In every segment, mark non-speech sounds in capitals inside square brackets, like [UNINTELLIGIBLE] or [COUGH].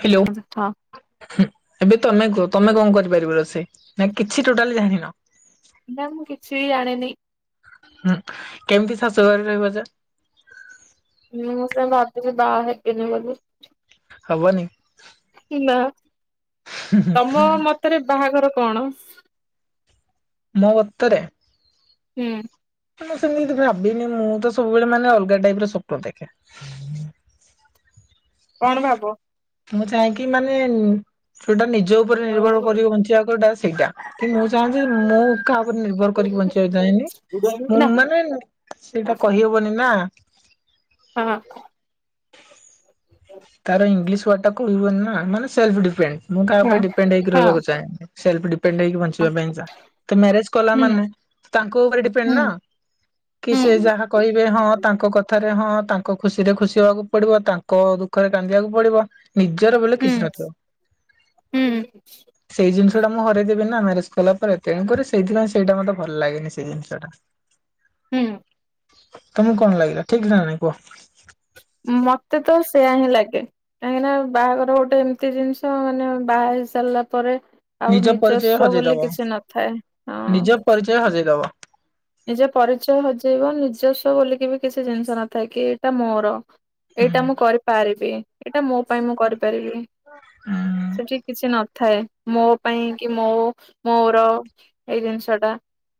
Hello. ନା ହୁଁ ଏବେ ତମେ କୁହ ତମେ କଣ କରିପାରିବ ରୋଷେଇ ନା କିଛି ଟୋଟାଲି ଜାଣିନ? ନା ମୁଁ କିଛି ବି ଜାଣେନି। ହୁଁ କେମିତି ଶାଶୁ ଘରେ ରହିବ ଯେ? ମୁଁ ସେଆ ଭାବୁଚି ବାହା ହେବିନି ବୋଲି। ହବନି ନା ତମ ମତ ରେ ବାହାଘର କଣ? ମୋ ମତରେ। ହୁଁ। ମୁଁ ସେମିତି କିଛି ଭାବିନି ମୁଁ ତ ସବୁବେଳେ ମାନେ ଅଲଗା ଟାଇପ୍ ର ସ୍ୱପ୍ନ ଦେଖେ। କଣ ଭାବ? ମୁଁ ଚାହେଁ କି ମାନେ ଉଁ ଟୋଟାଲ ନିଜ ଉପରେ ନା ନିର୍ଭର କରିବୁ ବଞ୍ଚିବା କୋଉଟା ସେଇଟା। କି ମୁଁ ଚାହୁଁଚି ମୁଁ କାହା ଉପରେ ନିର୍ଭର କରିକି ବଞ୍ଚିବାକୁ ଚାହେନି ମୁଁ ମାନେ ସେଇଟା କହିହବନି ନା। ହଁ ହଁ। ତାର ଇଂଲିଶ ୱାର୍ଡଟା କହିହୁଏନି ନା ମାନେ ସେଲଫ୍ ଡିପେଣ୍ଡ ମୁଁ କା ହଁ ଉପରେ ଡିପେଣ୍ଡ ହେଇକି ହଁ ରହିବାକୁ ଚାହେଁ ନି ସେଲଫ୍ ଡିପେଣ୍ଡ ହେଇକି ବ ଞ୍ଚିବା ପାଇଁକା ତ ମାରେଜ କଲା ହୁଁ ମାନେ ତାଙ୍କ ଉପରେ ଡିପେଣ୍ଡ ହୁଁ ନାଁ କି ହୁଁ ସେ ଯାହା କହିବେ ହଁ ତାଙ୍କ କଥାରେ ହଁ ତାଙ୍କ ଖୁସିରେ ଖୁସି ହବାକୁ ପଡିବ ତାଙ୍କ ଦୁଃ ଖରେ କାନ୍ଦିବାକୁ ପଡିବ ନିଜର ବଲେ ହୁଁ କିଛି ନଥିବ। ହୁଁ ସେଇ ଜିନିଷଟା ମୁଁ ହରେଇ ଦେବି ନା ମ୍ୟାରେଜ କଲା ପରେ ତେଣୁକରି ସେଇଥିପାଇଁ ସେଇଟା ମତେ ଭଲ ଲାଗେନି ସେଇ ଜିନିଷଟା। [INAUDIBLE] ହୁଁ। ତମକୁ କଣ ଲାଗିଲା ଠିକ୍ ନା ନାଇଁ କୁହ? ମତେ ତ ସେୟା ହିଁ ଲାଗେ। କାହିଁକିନା ବାହାଘର ଗୋଟେ ଏମିତି ଜିନିଷ ମାନେ ବାହା ହେଇ ସାରିଲା ପରେ ନିଜ ଆଉ ପରିଚୟ ନିଜସ୍ୱ ବୋଲି ହଜେଇଦବ କିଛି ନଥାଏ ନିଜ ହଁ। ପରିଚୟ ହଜେଇ ଦବ। ନିଜ ପରିଚୟ ହଜେଇବ ନିଜସ୍ୱ ବୋଲିକି ବି କିଛି ଜିନିଷ ନଥାଏ କି ଏଇଟା ମୋର। ହୁଁ ଏଇଟା ମୁଁ କରିପାରିବି ଏଇଟା ମୋ ପାଇଁ ମୁଁ କରିପାରିବି। ହୁଁ। ସେଠି କିଛି ନଥାଏ ମୋ ପାଇଁ କି ମୋ ମୋର ଏଇ ଜିନିଷଟା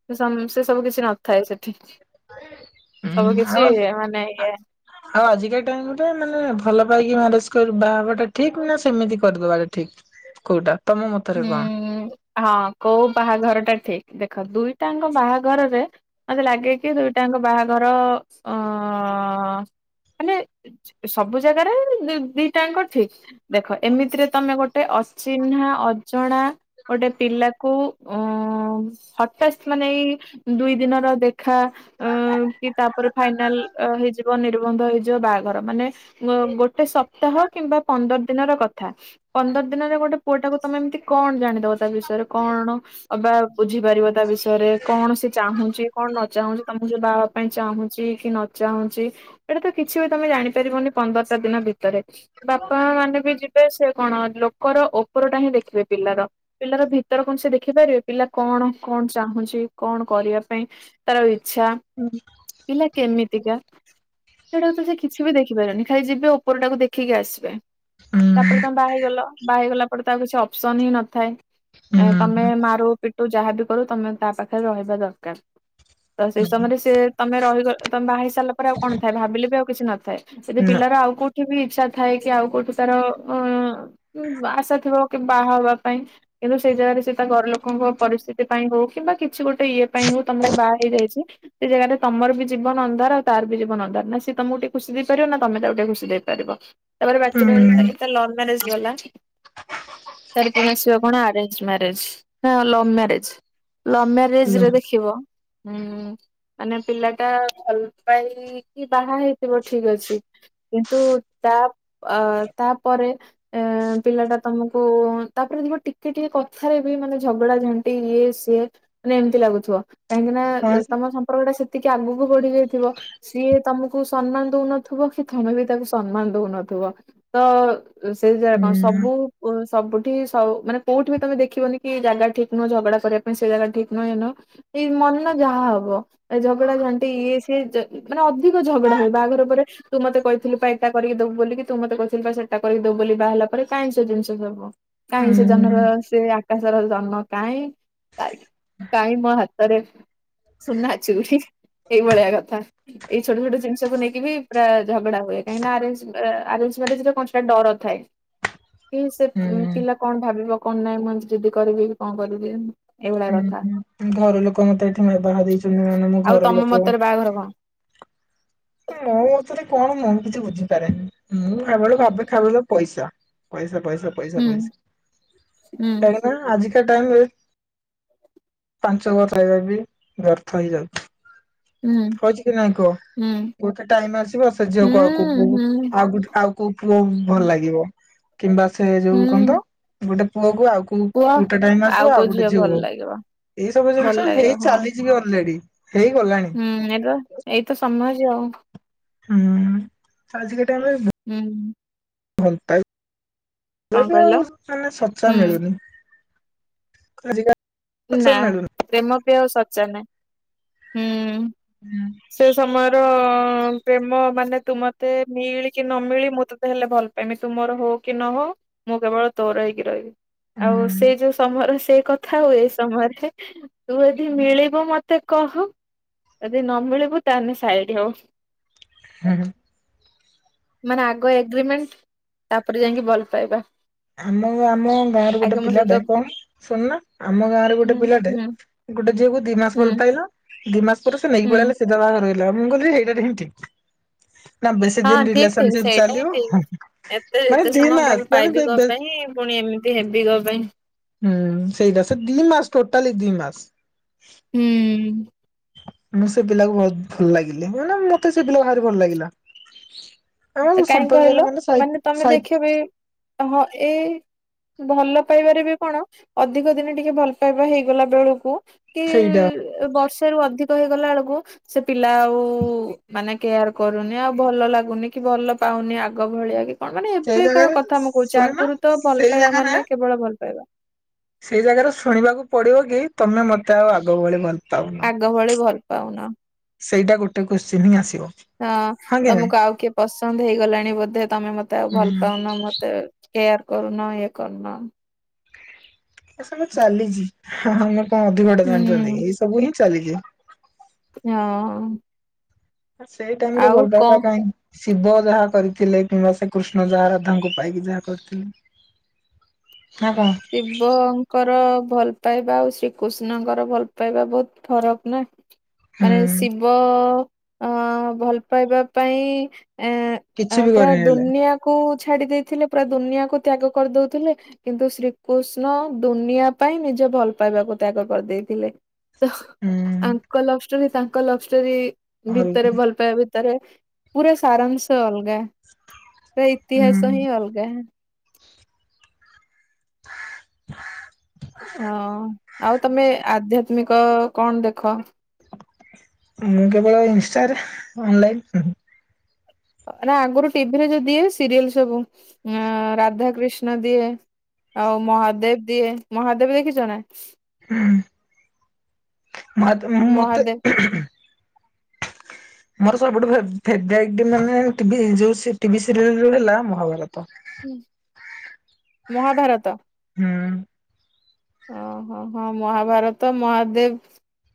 [UNINTELLIGIBLE] ତେ ସବୁ କିଛି ନଥାଏ ସେଠି ହୁଁ ସବୁ ହୁଁ କିଛି ଆଉ ମାନେ ଇଏ ଆଉ ଆଜିକା ଟାଇମରେ ମାନେ ଭଲ ପାଇକି ମ୍ୟାରେଜ କରି ବା ହବା ଟା ଠିକ୍ ନା ସେମିତି କରିଦବାଟା ଠିକ୍? କୋଉଟା। ତମ ମତରେ ହୁଁ କଣ? ହଁ କୋଉ ବାହାଘର ଟା ଠିକ୍ ଦେଖ ଦୁଇଟାଙ୍କ ବାହାଘରରେ ମତେ ଲାଗେ କି ଦୁଇଟାଙ୍କ ବାହାଘର ଅ ମାନେ ସବୁ ଜାଗାରେ ଦି ଦିଟାଙ୍କ ଠିକ୍। ଦେଖ ଏମିତିରେ ତମେ ଗୋଟେ ଅଚିହ୍ନା ଅଜଣା ଗୋଟେ ପିଲାକୁ ଉଁ ହଟାସ୍ତ ମାନେ ଏଇ ଦୁଇ ଦିନର ଦେଖା ଉଁ କି ତାପରେ ଫାଇନାଲ ଅ ହେଇଯିବ ନିର୍ବନ୍ଧ ହେଇଯିବ ବାହାଘର ମାନେ ଗ ଗୋଟେ ସପ୍ତାହ କିମ୍ବା ପନ୍ଦର ଦିନ ର କଥା ପନ୍ଦର ଦିନରେ ଗୋଟେ ପୁଅ ଟାକୁ ତମେ ଏମିତି କଣ ଜାଣିଦବ ତା ବିଷୟରେ କଣ ଅବା ବୁଝିପାରିବ ତା ବିଷୟରେ କଣ ସେ ଚାହୁଁଚି କଣ ନ ଚାହୁଁଚି ତମକୁ ଯ ବା ପାଇଁ ଚାହୁଁଚି କି ନ ଚାହୁଁଚି ଏଟା ତ କିଛି ବି ତମେ ଜାଣିପାରିବନି ପନ୍ଦରଟା ଦିନ ଭି ତରେ ବାପା ମାନେ ବି ଯିବେ ସେ କଣ ଲୋକର ଉପର ଟା ହିଁ ଦେଖିବେ। ପିଲାର ପିଲାର ଭିତର କଣ ସେ ଦେଖିପାରିବେ ପିଲା କଣ କଣ ଚାହୁଁଚି କଣ କରିବା ପାଇଁ ତାର ଇଚ୍ଛା [UNINTELLIGIBLE] ପିଲା କେମିତିକା ସେଇଟାକୁ ତ ସେ କିଛି ବି ଦେଖିପାରନି ଖାଲି ଯିବେ ଉପରଟାକୁ ଦେଖିକି ଆସିବେ। ଉଁ ତାପରେ ତମେ ବାହା ହେଇଗଲ ବାହାହେଇ ଗଲା ପରେ ତ ଆଉ କିଛି ଅପସନ୍ ହିଁ ନଥାଏ। ହୁଁ ଏଁ ତମେ ମାରୁ ପିଟୁ ଯାହାବି କରୁ ତମେ ତା ପାଖେ ରହିବା ଦରକାର। ତ ସେଇ ସମୟରେ ସେ ତମେ ରହିଗ ତମ ବାହା ହେଇ ସାରିଲା ପରେ ଆଉ କଣ ଥାଏ ଭାବିଲେ ବି ଆଉ କିଛି ନଥାଏ। ସେଠି ନା ପିଲାର ଆଉ କୋଉଠି ବି ଇଚ୍ଛା ଥାଏ କି ଆଉ କୋଉଠି ତାର ଉଁ ଆଶା ଥିବ। କି ବାହା ହେବା ପାଇଁ। କିନ୍ତୁ ସେଇ ଜାଗାରେ ସେ ତା ଘର ଲୋକଙ୍କ ପରିସ୍ଥିତି ପାଇଁ ହଉ କିମ୍ବା କିଛି ଗୋଟେ ଇଏ ପାଇଁ ହଉ ତମକୁ ବାହା ହେଇଯାଇଛି। ସେ ଜାଗାରେ ତମର ବି ଜୀବନ ଅନ୍ଧାର ଆଉ ତାର ବି ଜୀବନ ଅନ୍ଧାର ନା ସିଏ ତମକୁ ଟିକେ ଖୁସି ଦେଇପାରିବ ନା ତମେ ତାକୁ ଟିକେ ଖୁସି ଦେଇପାରିବ। ତାପରେ ଉଁ [UNINTELLIGIBLE] ଲଭ ମ୍ୟାରେଜ ଗଲା। ତାର ପଣ ଆସିବା କଣ ଆରେଞ୍ଜ ମ୍ୟାରେଜ ନା ଲଭ ମ୍ୟାରେଜ? ଲଭ୍ ମ୍ୟାରେଜ ରେ ଦେଖିବ ହୁଁ ମାନେ ପିଲାଟା ଭଲ ପାଇକି ବାହା ହେଇଥିବ ଠିକ ଅଛି। କିନ୍ତୁ, ତା ଅ ତାପରେ ଏ ପିଲାଟା ତମକୁ ଓ ତାପରେ ଦେଖିବ ଟିକିଏ, ଟିକିଏ କଥାରେ ବି ମାନେ ଝଗଡା ଝାଣ୍ଟି ଇଏ ସିଏ ମାନେ ଏମିତି ଲାଗୁଥିବ। କାହିଁକି ନା ହଁ ତମ ସମ୍ପର୍କ ଟା ସେତିକି ଆଗକୁ ବଢି ଯାଇଥିବ। ସିଏ ତମକୁ ସମ୍ମାନ ଦଉନଥୁବ କି, ତମେ ବି ତାକୁ ସମ୍ମାନ ଦଉନଥିବ, ତ ସେଇ ଯାଗାରେ ଉଁ କଣ ସବୁ ସବୁଠି ସବୁ ମାନେ କୋଉଠି ବି ତମେ ଦେଖିବନି କି, ଜାଗା ଠିକ ନୁହଁ ଝଗଡା କରିବା ପାଇଁ, ସେ ଜାଗା ଠିକ ନୁହେଁ, ଏନୁହଁ। ଏଇ ମନ ଯାହା ହବ। ଏ ଝଗଡା ଝାଣ୍ଟି ଇଏ ସିଏ ମାନେ ଅଧିକ ଝଗଡା ହୁଏ, ବାହାଘର ପରେ। ତୁ ମତେ କହିଥିଲୁ ପା ଏଟା କରିକିଦେବୁ ବୋଲିକି ତୁ ମତେ କହିଥିଲୁ ସେଟା କରିକିଦେବୁ ବୋଲି ବାହାହେଲା ପରେ କାଇହିଁ ସେ ଜିନିଷ ଦବ, କାହିଁ ସେ ଉଁ [UNINTELLIGIBLE] ସେଇଆ ଆକାଶର ଜନ୍ମ କାହିଁ, କାହିଁ ମୋ ହାତରେ ସୁନାଚୁଡି ଏଇଭଳିଆ କଥା। ଏଇ ଛୋଟ ଛୋଟ ଜିନିଷକୁ ନେଇକି ବି ପ୍ରାୟ ଝଗଡା ହୁଏ। କାହିଁକି ଆରେଞ୍ଜ ମାରେଜରେ କଣ, ସେଟା ଡରଥାଏ। କି ସେ ପିଲା କଣ ଭାବିବ କଣ ନାଇଁ, ମୁଁ ଯିଦି କରିବି, କି କଣ କରିବି? ଏଇଭଳିଆ ହୁଁ କଥା। ହୁଁ ଘର ଲୋକ ମତେ ଏଠି ବିଭାହ ଦେଇଛନ୍ତି ମାନେ, ମୋ ଆଉ ଘର ତମ ଲୋକ ମତରେ ବାହାଘର କଣ? ମୋ ମତରେ କଣ ମୁଁ କିଛି ବୁଝିପାରେନି, ମୁଁ କେବଳ ଭାବେ ଖାଲିର ପଇସା। ପଇସା, ପଇସା, ପଇସା, ହୁଁ ପଇସା ହୁଁ ବେଳେବେଳେ ଆଜିିକା ବେଳେ ବେଳେ ପାଞ୍ଚ ବର୍ଷ ହେଲେବି ବ୍ୟର୍ଥ ହେଇଯାଉଛି। ହୁଁ କହିଛି କି ନାଇଁ କୁହ, ହୁଁ ଗୋଟେ ଟାଇମ ଆସିବ ସେ ଝିଅକୁ ଆଉ କୋଉ ପୁଅକୁ ହୁଁ ଆଉ ଗୋଟେ, ଆଉ କୋଉ ପୁଅ ହୁଁ ଭଲ ଲାଗିବ, କିମ୍ବା ସେ ଯୋଉ କଣ ହୁଁ। ତ, ଗୋଟେ ପୁଅକୁ ଆଉ କୋଉ କୁହ ଖୁଣ୍ଟା ଟାଇମ ଆସିବ କୋଉ ଆଉ ଗୋଟେ ଝିଅ ଭଲ ଝିଓ, ଲାଗିବ ଏଇ ସବୁ ଭଲ ଜିନିଷ ଲାଗିବ ହେଇ ହଁ ଚାଲିଚିବି ଅଲରେଡି। ହେଇଗଲାଣି। ହୁଁ ଏଇ ପା ଏଇତ ସମାଜ ଆଉ। ହୁଁ ଆଜିିକଟା [INAUDIBLE] ହୁଁ। ଭଲପାଇ, ସେ କଣ ବି କହିଲ ଆଉ ମାନେ ଶଚା ହୁଁ ମିଳୁନି। [INAUDIBLE] ସଚା ନା ମିଳୁନି ପ୍ରେମ ବି ଆଉ ସଚା ନାହି, ହୁଁ ସେ ସମୟରେ [UNINTELLIGIBLE] ପ୍ରେମ ମାନେ ତୁ ମତେ ମିଳି କି ନ ମିଳି ମୁଁ ତତେ ହେଲେ ଭଲ ପାଇମି। ତୁମୋର ହୋ କି ନ ହୋ ମୁଁ କେବଳ ତୋର ହେଇକି ରହିବି। ଆଉ ହୁଁ ସେ ଯୋଉ ସମୟର ସେଇ କଥା, ଆଉ ଏ ତମରେ, ତୁ ଯଦି ମିଳିବ ମତେ କହ? ଯଦି ନ ମିଳିବୁ, ତାହେଲେ ସାଇଡ ହୋ। ହୁଁ। ମାନେ ଆଗ ଏଗ୍ରିମେଣ୍ଟ, ତାପରେ ଯାଇକି ଭଲ ପାଇବା। ଆମ, ଆମ ଗାଁରୁ ଗୋଟେ ଆଗେ ମୋ ପିଲାଟେ, ସହିତ କଣ ଶୁଣୁନ ଆମ ଗାଁରୁ ହୁଁ ଗୋଟେ ପିଲାଟେ ହୁଁ ଗୋଟେ ଝିଅକୁ ଦି ମାସ ଭଲ ହୁଁ ପାଇଲା। ଦି ମାସ ପରେ ସେ ନେଇକି ହୁଁ ପଳେଇଲା ସିଧା ବାହାଘର ହେଲା। ମୁଁ କିହିଲି ହେଇଟା ଟିହିଁ ଠିକ୍। ନାଁ ବେଶୀ ହଁ ଦିନ ଠିକ ଠିକ ରିଲେସନସିପ୍ ସେଇଟା ହିଁ ଠିକ ଚାଲିବ ମାନେ ଦି ମାସ ମାନେ ବେ ଦିଗ ବେ ପାଇଁ ପୁଣି ଏମତି ହେବି କ ପାଇଁ? ହୁଁ ସେଇଟା ସେ ଦି ମାସ ଟୋଟାଲି ଦି ମାସ। ହୁଁ। ମୁଁ ସେ ପିଲାକୁ ବହୁତ ଭଲ ଲାଗିଲି ମାନେ ମତେ ସେ ପିଲା ଭାରି ଭଲ ଲାଗିଲା। ଆମ ଏ କାଇଁ ସମ୍ପର୍କରେ କହିଲ ସାଇ ମାନେ ତମେ ସାଇ ଦେଖିବା ପାଇଁ ହଁ ଏ ଭଲ ପାଇବାରେ ବି କଣ ଅଧିକ ଦିନି ଟିକିଏ ଭଲ ପାଇବା ହେଇଗଲା ବେଳୁକୁ କି ସେଇଟା ବର୍ଷରୁ ଅଧି ତ ହେଇଗଲା ଅଳୁକୁ ସେ ପିଲା ଆଉ ମାନେ କେୟାର କରୁନି ଆଉ ଭଲ ଲାଗୁନି। କି ଭଲ ପାଉନି ଆଗ ଭଳିଆ ବି। କଣ ମାନେ ସେଇ ଏବେକା ଜାଗାରେ କଥା ମୁଁ କହୁଚି ଶୁଣୁନ ଆଗୁରୁ ତ ଭଲ ସେଇ ପାଇବା ଜାଗାରେ ମାନେ କେବଳ ଭଲ ପାଇବା। ସେଇ ଜାଗାରେ ଶୁଣିବାକୁ ପଡ଼ିବ କି ତମେ ମତେ ଆଉ ଆଗ ଭଳି ଭଲ୍ ଆଗ ଭଳି ଭଲ ପାଉନ। ସେଇଟା ଗୋଟେ କୋଶ୍ଚିନ୍ ହିଁ ଆସିବ। ଅଁ ହଁ କି ନାଇଁ ତମୁକୁ ଆଉ କିଏ ପସନ୍ଦ ହେଇ ଗଲାଣି ବୋଧେ ତମେ ମତେ ଆଉ ଭଲ ହୁଁ ପାଉନ ମତେ କେୟାର କରୁନ ଏ କରୁନ। ଏସବୁ ଚାଲିଚି ଆମେ କଣ ଅଧିକଟେ ଜାଣିଚନ୍ତି ହୁଁ କି ଏଇ ସବୁ ହିଁ ଚାଲିଚି। ହଁ। ଅ ସେଇ ଟାଇମ୍ ରେ ଆଉ ଭଲ କଣ ପାଇବାଟା ହିଁ ଶିବ ଯାହା କରିଥିଲେ କିମ୍ବା ଶ୍ରୀ କୃଷ୍ଣ ଯାହା ଯାହା ରାଧାଙ୍କୁ ପାଇକି ଯାହା କରିଥିଲେ। ନାଁ କଣ? ଶିବଙ୍କର ଭଲ ପାଇବା ଆଉ ଶ୍ରୀକୃଷ୍ଣଙ୍କର ଭଲ ପାଇବା ବୋହୁତ ଫରକ ନାଁ। ମାନେ ହୁଁ ଶିବ ଅ ଭଲ ପାଇବା ପାଇଁ ଏଁ ଆ କିଛି ବି ପୁରା କରିନି ହେଲେ ଦୁନିଆ କୁ ଛାଡ଼ି ଦେଇଥିଲେ ପୁରା ଦୁନିଆକୁ ତ୍ୟାଗ କରିଦଉଥୁଲେ କିନ୍ତୁ ଶ୍ରୀ କୁଷ୍ଣ ଦୁନିଆ ପାଇଁ ନିଜ ଭଲ ପାଇବାକୁ ତ୍ୟାଗ କରିଦେଇଥିଲେ। ତ ହୁଁ ଆଙ୍କ ଲଭ ଷ୍ଟୋରି ତାଙ୍କ ଲଭ ଷ୍ଟୋରି ଆଉ ଭିତରେ ଭଲ ପାଇବା ଭି ତରେ ପୁରା ସାରାଂଶ ଅଲଗା ପୁରା ହୁଁ ଇତିହାସ ହିଁ ଅଲଗା। ଅଁ। ଆଉ ତମେ ଆଧ୍ୟା ତ୍ମିକ କଣ ଦେଖ? ମୁଁ କେବଳ ଇନଷ୍ଟାରେ ଅନଲାଇନ୍ ନାଁ ଆଗୁରୁ ଟି ଭି ରେ ଯୋଉ ଦିଏ ସିରିଏଲ ସବୁ ଉଁଅ ରାଧା କ୍ରୀଷ୍ଣ ଦିଏ। ଆଉ ମହାଦେବ ଦିଏ ମହାଦେବ ଦେଖିଚ ନା? ହୁଁ ମହାଦେ ମହାଦେବ ମତେ ମୋର ସବୁଠୁ ଫେ ଫେବରାଇଟ ମାନେ ଟି ଭି ଯୋଉ ସି ଟି ଭି ସିରିଏଲ୍ ହେଲା ମହାଭାରତ। ମହାଭାରତ। ହୁଁ। ଅହ ହଁ ମହାଭାରତ ମହାଦେବ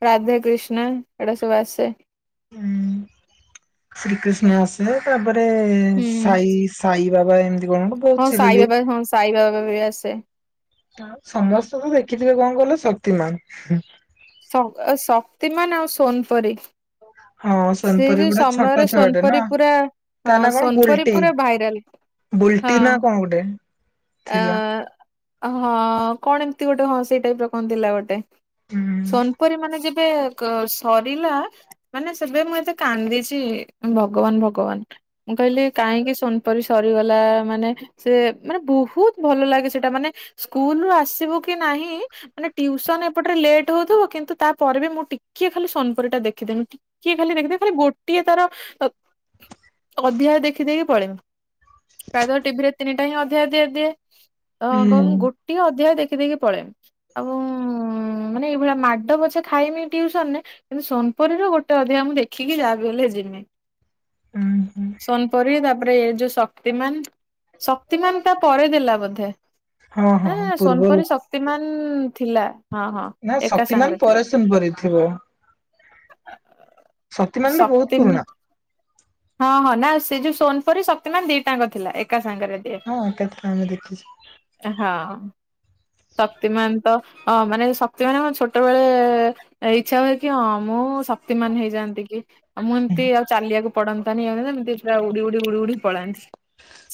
ରାଧେକ୍ରୀଷ୍ଣ ଏଡ଼ା ସୁବୁ ଆସେ। ଉଁ ଶ୍ରୀକ୍ରୀଷ୍ଣ ଆସେ ତାପରେ ହୁଁ ସାଇ ସାଇ ବାବା ଏମତି କଣ ଉ ହଁ ସାଇ ବାବା ହଁ ସାଇ ବାବା ବି ଆସେ। ସମସ୍ତେ ତ ଦେଖିଥିବେ, କଣ କହିଲେ ଶକ୍ତିମାନ। ଶ ଶକ୍ତିମାନ ଆଉ ସୋନପରୀ। ହଁ, ସୋନପୁରୀ ଗୁଡା ଛୋଟ ଛୁଆଟେ ନା! ସୋନପରି ପୁରା ତା ହଁ ନା କଣ, ସୋନପରି ବୁଲଟି ପୁରା ଭାଇରାଲ। ବୁଲଟି ନା ହଁ। କଣ ଗୋଟେ? ଥିଲା [UNINTELLIGIBLE] ହଁ, କଣ ଏମତି ଗୋଟେ ହଁ ସେଇ ଟାଇପ ର? କଣ ଥିଲା ଗୋଟେ, ହୁଁ ସୋନପରୀ ମାନେ ଯେ ସେ ସରିଲା ମାନେ ତବେ, ମୁଁ ଏତେ କାନ୍ଦିଛି ଭଗବାନ ଭଗବାନ। ମୁଁ କହିଲି, କାହିଁକି ସୋନପରୀ ସରିଗଲା ମାନେ ସେ ମାନେ ବହୁତ ଭଲ ଲାଗେ। ସେଟା ମାନେ ସ୍କୁଲ ରୁ ଆସିବୁ କି ନାହିଁ? ମାନେ, ଟ୍ୟୁସନ ଏପଟେ ଲେଟ୍ ହଉଥିବ, କିନ୍ତୁ ତାପରେ ବି ମୁଁ ଟିକିଏ ଖାଲି ସୋନପୁରୀ ଟା ଦେଖିଦେମି। କିଏ ଖାଲି ଦେଖିଦେବି ଖାଲି, ଗୋଟିଏ ଥର ଅଧ୍ୟାୟ ଦେଖିଦେଇକି ପଳେଇମି। ପ୍ରାୟଦ ଟିଭିରେ ତିନିଟା ହିଁ ଅଧା ଅି ଦିଏ, ହୁଁ। [UNINTELLIGIBLE] ଗୋଟିଏ ଅଧ୍ୟାୟ ଦେଖିଦେଇକି ପଳେଇମି। ଆଉ ମାନେ, ଏଇଭଳିଆ ମାଡ ପଛେ ଖାଇମି ଟିଉସନରେ, କିନ୍ତୁ ସୋନପୁରୀର ଗୋଟେ ଅଧିକା ମୁଁ ଦେଖିକି ଯାହାବି ହେଲେ ଜିମି, ହୁଁ [INAUDIBLE] ସୋନପରୀ ତାପରେ ଏ ଯୋଉ ଶକ୍ତିମାନ, ଶକ୍ତିମାନ ତା ପରେ ଦେଲା ବୋଧେ, ହୁଁ ହଁ ନା ହଁ ପୂର୍ବରୁ ସୋନପରୀଶ ଶକ୍ତିମାନ ଥିଲା, ହଁ ହଁ ନା ଏକା ଶକ୍ତିମାନ ସାଙ୍ଗରେ ଥିଲା। [UNINTELLIGIBLE] ଥିବ। ଶକ୍ତିମାନ [INAUDIBLE] ଟା ବହୁତ ପୁରୁଣା ଶକ୍ତିମାନ ହଁ ହଁ, ନା ସେ ଯୋଉ ସୋନପରୀ ଶକ୍ତିମାନ ଦିଟାଙ୍କ ଥିଲା ଏକା ସାଙ୍ଗରେ। ଦିଏ ହଁ, ଏକାଥରେ ଆମେ ଦେଖିଛୁ। ହଁ। ଶକ୍ତିମାନ ତ ଅ ମାନେ, ଶକ୍ତିମାନ କଣ ଛୋଟବେଳେ ଏ ଇଚ୍ଛା ହୁଏ କି ହଁ, ମୁଁ ଶକ୍ତିମାନ ହେଇଯାଆନ୍ତି କି! ମୁଁ ଏମିତି ଆଉ ଚାଲିବାକୁ ପଡନ୍ତାନ୍ତି, [INAUDIBLE] ଉଡି ଉଡି ଉଡି ପଳାନ୍ତି!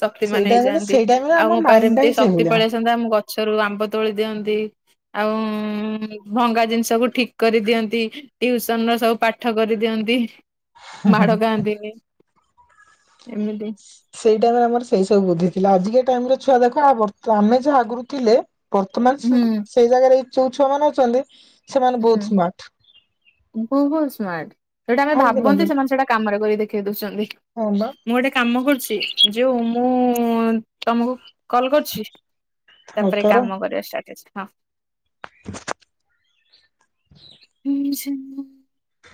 ଶକ୍ତିମାନ ସେଇ ଟାଇମରେ ହେଇଯାଆନ୍ତି, ସେଇ ଟାଇମରେ ଆଉ ଆମ ମୋ ପାଖାରେ ମାଇଣ୍ଡ ଟା ଏମିତି ହିଁ ଶକ୍ତି ସେଇଭଳିଆ। ପଳେଇ ଆସନ୍ତା ଗଛରୁ ଆମ୍ବ ତୋଳି ଦିଅନ୍ତି, ଆଉ ଭଙ୍ଗା ଜିନିଷକୁ ଠିକ୍ କରିଦିଅନ୍ତି। ଟିଉସନ ର ସବୁ ପାଠ କରିଦିଅନ୍ତି। ମାଡ଼ ଖାଆନ୍ତି ନି, ଏମିତି। ସେଇ ଟାଇମ୍ ରେ ଆମର ସେଇ ସବୁ ବୁଦ୍ଧି ଥିଲା। ଆଜିକା ଟାଇମ ରେ ଛୁଆ ଦେଖ ଆ ଆମେ ଯାହା ଆଗରୁ ଥିଲେ। ବର୍ତ୍ତମାନ ହୁଁ ସେଇ ଜାଗାରେ ଯୋଉ ଛୁଆ ମାନେ ଅଛନ୍ତି, ସେମାନେ ବହୁତ ସ୍ମାର୍ଟ। ବହୁତ୍ ସ୍ମାର୍ଟ। ଯୋଉଟା ଆମେ ହଁ କି ଭାବନ୍ତି, ନାଇଁ ସେମାନେ ସେଇଟା କାମରେ କରିକି ଦେଖେଇ ଦଉଛନ୍ତି। ହଁ ବା। ମୁଁ ଗୋଟେ କାମ କରୁଛି, ଯୋଉ ମୁଁ ତମକୁ କଲ କରୁଛି, ତାପରେ ଥର କାମ କରିବ [INAUDIBLE] [INAUDIBLE]